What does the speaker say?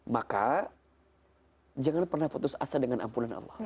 maka jangan pernah putus asa dengan ampunan allah